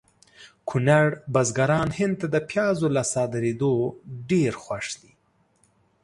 کونړ بزګران هند ته د پیازو له صادریدو ډېر خوښ دي